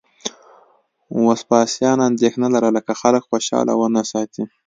وسپاسیان اندېښنه لرله که خلک خوشاله ونه ساتي